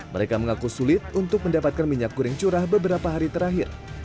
mereka mengaku sulit untuk mendapatkan minyak goreng curah beberapa hari terakhir